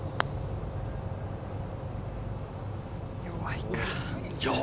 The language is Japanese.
弱いか。